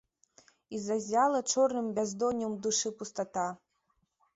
І заззяла чорным бяздоннем у душы пустата.